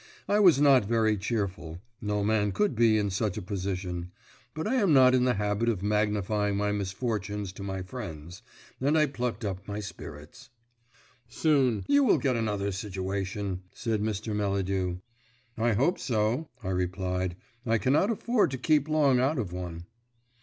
I was not very cheerful no man could be in such a position but I am not in the habit of magnifying my misfortunes to my friends, and I plucked up my spirits. "You will soon get another situation," said Mr. Melladew. "I hope so," I replied; "I cannot afford to keep long out of one."